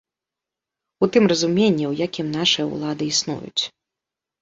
У тым разуменні, у якім нашыя ўлады існуюць.